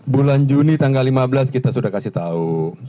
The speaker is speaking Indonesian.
bulan juni tanggal lima belas kita sudah kasih tahu